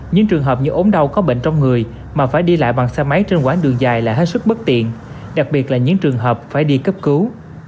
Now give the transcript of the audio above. những trường hợp như ốm đau có bệnh trong người mà phải đi lại bằng xe máy trên quãng đường dài là hết sức bất tiện đặc biệt là những trường hợp phải đi cấp cứu